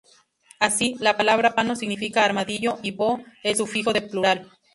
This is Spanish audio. Así, la palabra "pano" significa ‘armadillo’ y "-bo" el sufijo de plural.